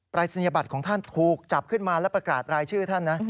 รายศนียบัตรของท่านถูกจับขึ้นมาและประกาศรายชื่อท่านนะ